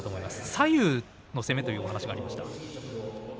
左右の攻めというお話がありました。